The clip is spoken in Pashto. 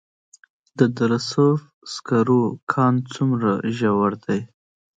د دره صوف سکرو کان څومره ژور دی؟